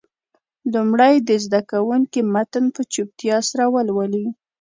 لومړی دې زده کوونکي متن په چوپتیا سره ولولي.